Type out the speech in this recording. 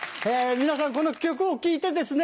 皆さんこの曲を聴いてですね